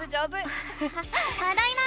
ただいま！